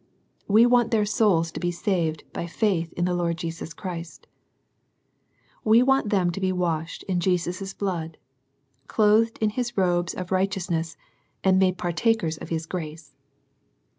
We want their souls to be saved by faith in the Lord Jesus Christ We want them to be washed in Jesus' blood, clothed in His robe of righteousness, and made partakers of His grace.